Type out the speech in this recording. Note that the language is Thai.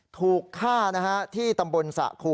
ถูกฆ่านะฮะที่ตำบลสระควร